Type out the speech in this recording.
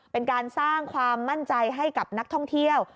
เป็นการสร้างความมั่นใจให้กับนักท่องเที่ยว